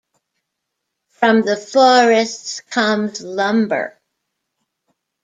From the forests comes lumber.